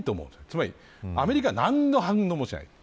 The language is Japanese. つまりアメリカは何の反応もしない。